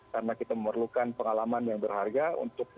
karena kita memerlukan pengalaman yang berharga untuk nyusun